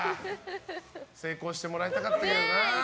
成功してもらいたかったけどな。